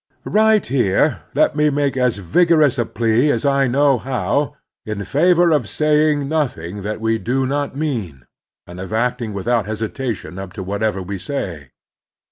Right here let me make as vigorous a plea as I know how in favor of saying nothing that we do not mean, and of acting without hesitation up to whatever we say.